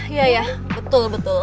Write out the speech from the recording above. iya iya betul betul